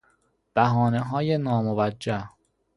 بهانههای ناموجه